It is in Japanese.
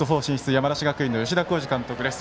山梨学院の吉田洸二監督です。